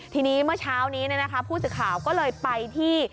ทีนี้เมื่อเช้านี้ผู้สื่อข่าวก็เลยไปที่